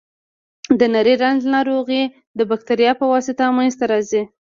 د نري رنځ ناروغي د بکتریا په واسطه منځ ته راځي.